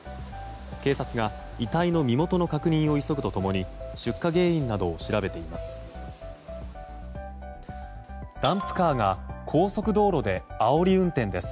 警察が遺体の身元の確認を急ぐと共に出火原因などを調べています。